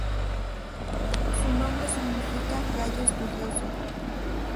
Su nombre significa "Gallo Estudioso".